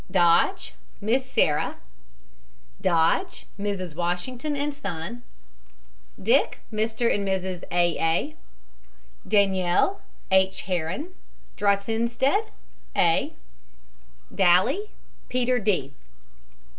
DODGE, MISS SARAH. DODGE, MRS. WASHINGTON, and son. DICK, MR. AND MRS. A. A. DANIELL, H. HAREN. DRACHENSTED, A. DALY, PETER D.